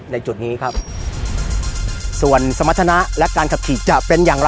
ในจุดนี้ครับส่วนสมรรถนะและการขับขี่จะเป็นอย่างไร